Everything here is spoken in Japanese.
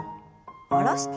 下ろして。